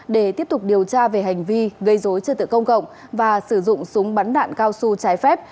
để tiếp tục điều tra về hành vi gây dối trật tự công cộng và sử dụng súng bắn đạn cao su trái phép